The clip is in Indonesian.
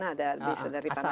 ada bisa dari tanah